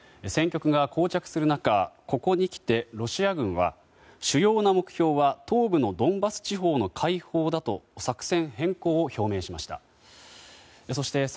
戦局がこう着する中、ここにきてロシア軍は主要な目標は東部のドンバス地方の解放だと作戦変更を表明しました。